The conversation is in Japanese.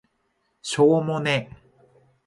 しょーもね